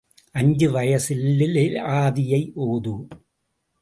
அஞ்சு வயசில் ஆதியை ஓது.